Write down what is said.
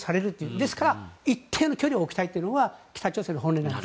ですから、一定の距離を置きたいというのが北朝鮮の本音なんです。